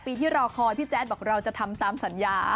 ปีที่รอคอยพี่แจ๊ดบอกเราจะทำตามสัญญา